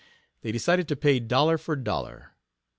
They decided to pay dollar for dollar.